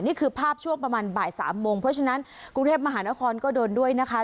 นี่คือภาพช่วงประมาณบ่ายสามโมงเพราะฉะนั้นกรุงเทพมหานครก็โดนด้วยนะคะ